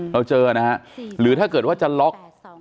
เราเจอนะฮะหรือถ้าเกิดว่าจะล็อก